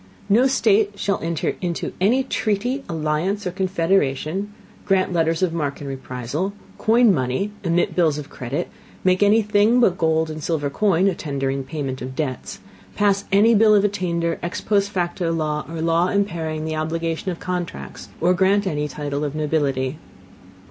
No State shall enter into any Treaty, Alliance, or Confederation; grant Letters of Marque and Reprisal; coin Money; emit Bills of Credit; make any Thing but gold and silver Coin a Tender in Payment of Debts; pass any Bill of Attainder, ex post facto Law, or Law impairing the Obligation of Contracts, or grant any Title of Nobility.